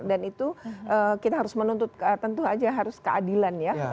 dan itu kita harus menuntut tentu saja harus keadilan ya